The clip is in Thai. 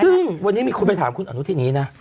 ซึ่งวันนี้มีคนไปถามคุณอนุทินนี้นะ